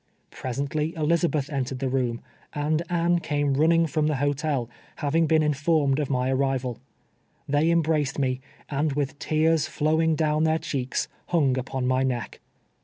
Presently Elizabeth entered the room, and Anne came running from the liotel, having been in formed of my arrival. 1'liey embraced me, and with tears flowing down their cheeks, hung upon my neck.